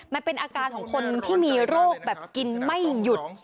มันเป็นอาการของคนที่มีโรคแบบกินไม่หยุด